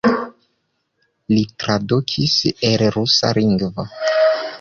Li tradukis el rusa lingvo.